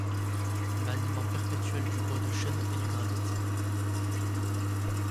Maniement perpétuel du bois de chêne et du granit.